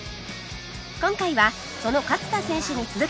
今回はその勝田選手に続け！